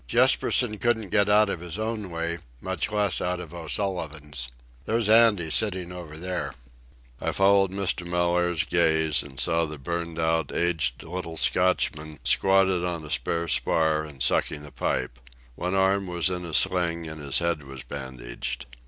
Jespersen couldn't get out of his own way, much less out of O'Sullivan's. There's Andy sitting over there." I followed Mr. Mellaire's gaze, and saw the burnt out, aged little Scotchman squatted on a spare spar and sucking a pipe. One arm was in a sling and his head was bandaged.